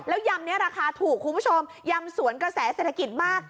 แล้วยำนี้ราคาถูกคุณผู้ชมยำสวนกระแสเศรษฐกิจมาก